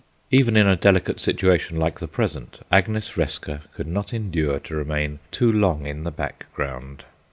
Even in a delicate situation like the present, Agnes Resker could not endure to remain too long in the background.